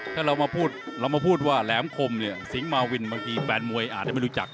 ถ้าเรามาพูดว่าแหลมคมเนี่ยสิงห์มาวินเมื่อกี้แฟนมวยอ่านไม่รู้จัก